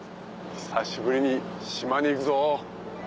久しぶりに島に行くぞ。